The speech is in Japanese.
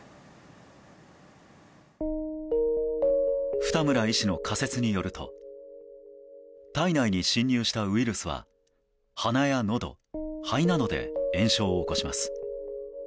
二村医師の仮説によると体内に侵入したウイルスは鼻やのど肺などで炎症を起こします。